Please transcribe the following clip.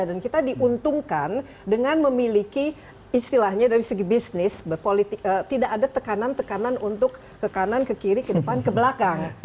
dan kita diuntungkan dengan memiliki istilahnya dari segi bisnis tidak ada tekanan tekanan untuk ke kanan ke kiri ke depan ke belakang